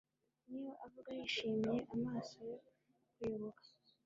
Niba avuga yishimiye amaso yo kuyoboka